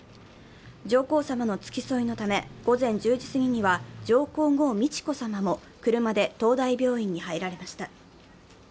上皇さまの付き添いのため、午前１０時すぎには上皇后・美智子さまも車で東大病院に入られました。